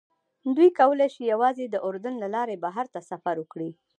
دوی کولی شي یوازې د اردن له لارې بهر ته سفر وکړي.